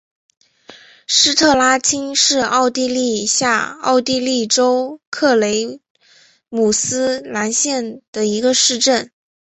施特拉青是奥地利下奥地利州克雷姆斯兰县的一个市镇。